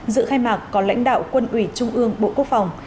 dự khai mạc có lãnh đạo quân ủy trung ương bộ quốc phòng